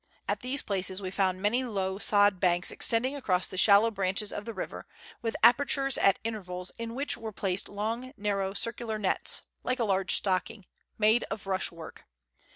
At these places we found many low sod banks extending across the shallow branches of the river, with apertures at intervals, in which were placed long, narrow, circular nets (like a large stocking) made of rush work.